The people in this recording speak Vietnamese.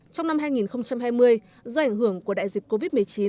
trong năm hai nghìn hai mươi do ảnh hưởng của đại dịch covid một mươi chín